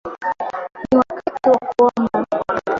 Ni wakati wa kuomba